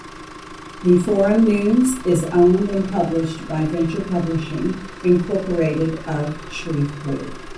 "The Forum News" is owned and published by Venture Publishing, Incorporated of Shreveport.